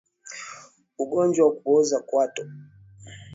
Ugonjwa wa kuoza kwato